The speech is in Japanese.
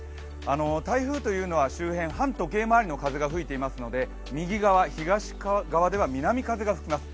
台風というのは周辺、反時計回りの風が吹いていますので右側、東側では南風が吹きます。